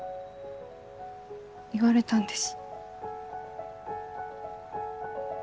言われたんです。